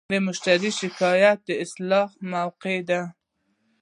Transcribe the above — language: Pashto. د مشتری شکایت د اصلاح موقعه ده.